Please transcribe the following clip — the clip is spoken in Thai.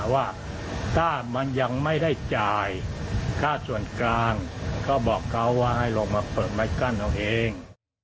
ว่าถ้ามันยังไม่ได้จ่ายค่าส่วนกลางก็บอกเขาว่าให้ลงมาเปิดไม้กั้นเอาเอง